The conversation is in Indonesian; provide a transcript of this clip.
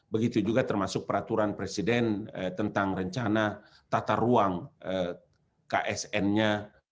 begitu juga termasuk peraturan presiden tentang rencana tata ruang ksn nya